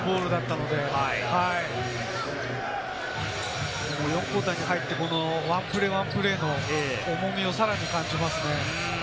お互い、素晴らしいルーズボールだったので、４クオーターに入って、このワンプレーワンプレーの重みをさらに感じますね。